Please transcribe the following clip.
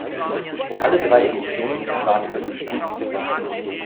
Alle drei Editionen sind gratis verfügbar.